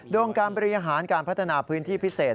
โดยการบริหารการพัฒนาพื้นที่พิเศษ